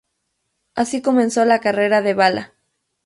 Así comenzó la carrera de Balá.